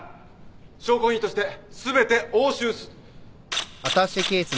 証拠品として全て押収す。